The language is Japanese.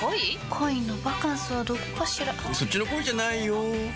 恋のバカンスはどこかしらそっちの恋じゃないよ